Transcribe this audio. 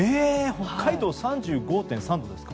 北海道、３５．３度ですか。